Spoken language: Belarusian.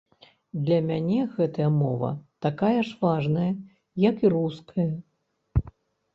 Для мяне гэтая мова такая ж важная, як і руская.